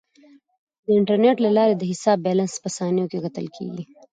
د انټرنیټ له لارې د حساب بیلانس په ثانیو کې کتل کیږي.